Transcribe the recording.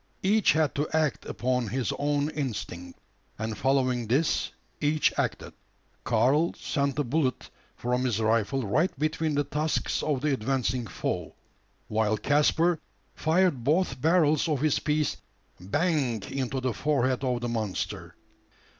Each had to act upon his own instinct; and following this each acted. Karl sent the bullet from his rifle right between the tusks of the advancing foe; while Caspar fired both barrels of his piece "bang" into the forehead of the monster.